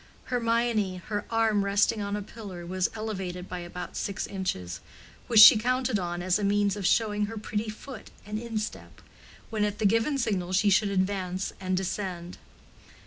Hermione, her arm resting on a pillar, was elevated by about six inches, which she counted on as a means of showing her pretty foot and instep, when at the given signal she should advance and descend.